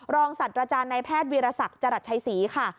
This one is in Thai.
รองศัตรริราชาณายแพทย์เวียรษักษ์จรัสชัยศรีค่ะ